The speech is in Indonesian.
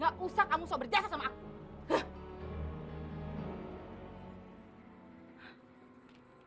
gak usah kamu sok berdiasa sama aku